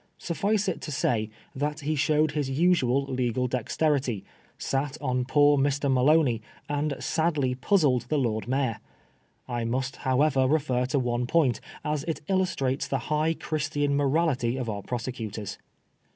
Suffice it to say that he showed his usual legal dexterity, sat on poor Mr. Maloney, and sadly puzzled the Lord Mayor. I must, however, refer to one point, as it illustrates the high Christian morality of our prosecutors.